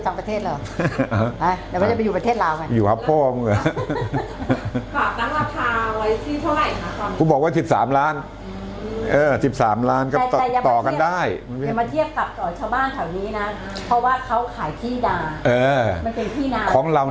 นี่อยากให้ไม่อยู่ต่างประเทศเหรอ